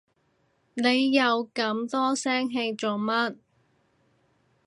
你又咁多聲氣做乜？